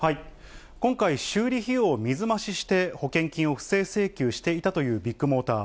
今回、修理費用を水増しして保険金を不正請求していたというビッグモーター。